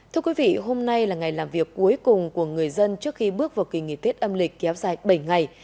thưa quý vị hôm nay là ngày làm việc cuối cùng của người dân trước khi bước vào kỳ nghỉ tết âm lịch kéo dài bảy ngày